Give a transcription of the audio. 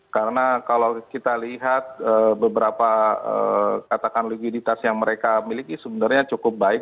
karena kalau kita lihat beberapa katakan likuiditas yang mereka miliki sebenarnya cukup baik